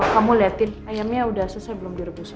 kamu liatin ayamnya udah selesai belum direbusan